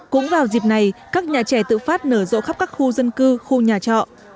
cũng vào dịp này các nhà trẻ tự phát nở rộ khắp các khu dân cư khu nhà trọ